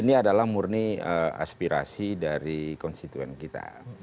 ini adalah murni aspirasi dari konstituen kita